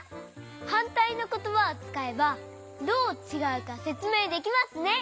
はんたいのことばをつかえばどうちがうかせつめいできますね。